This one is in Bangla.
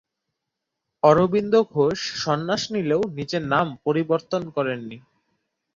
অরবিন্দ ঘোষ সন্ন্যাস নিলেও নিজের নাম পরিবর্তন করেননি।